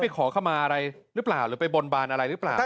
ขอเข้ามาอะไรหรือเปล่าหรือไปบนบานอะไรหรือเปล่า